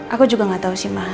aku juga gak tau sih mah